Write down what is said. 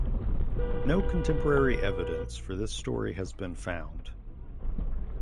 No contemporary evidence for this story has been found.